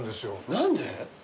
何で？